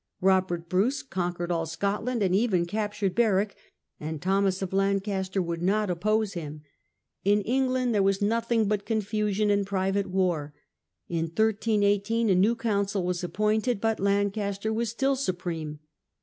Robert Bruce conquered all Scotland and even captured Berwick, and Thomas of Lancaster would not oppose him. In England there was nothing but confusion and private war. In 13 18 a new council was appointed, but Lancaster was still supreme.